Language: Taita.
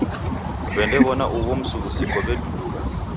W'endaw'ona ugho msughusiko w'edudugha.